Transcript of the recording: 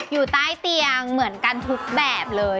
อยู่ใต้เตียงเหมือนกันทุกแบบเลย